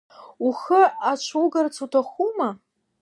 Ухы ацәугарц уҭахума?